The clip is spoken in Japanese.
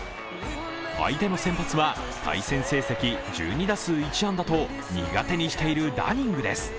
相手の先発は、対戦成績１２打数１安打と苦手にしているダニングです。